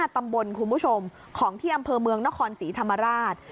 ตำบลคุณผู้ชมของที่อำเภอเมืองนครศรีธรรมราช